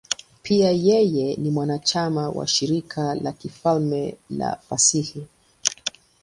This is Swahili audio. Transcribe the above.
Pia yeye ni mwanachama wa Shirika la Kifalme la Fasihi.